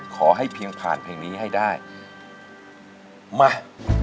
ขอให้เพียงผ่านเพลงนี้ให้ได้มา